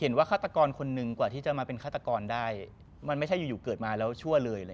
ฆาตกรคนหนึ่งกว่าที่จะมาเป็นฆาตกรได้มันไม่ใช่อยู่เกิดมาแล้วชั่วเลย